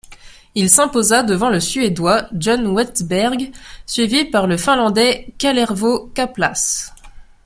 Il s'imposa devant le Suédois John Westbergh, suivi par le finlandais Kalervo Kaplas.